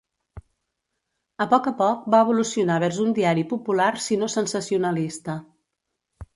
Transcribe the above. A poc a poc va evolucionar vers un diari popular si no sensacionalista.